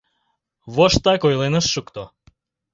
Воштак ойлен ыш шукто